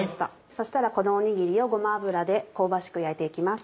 そしたらこのおにぎりをごま油で香ばしく焼いて行きます。